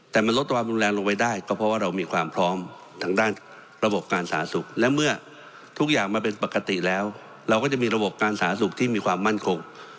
แต่มันลดความรุนแรงลงไปได้ก็เพราะว่าเรามีความพร้อมทางด้านระบบการสาธารณสุขและเมื่อทุกอย่างมันเป็นปกติแล้วเราก็จะมีระบบการสาธารณสุขที่มีความมั่นคง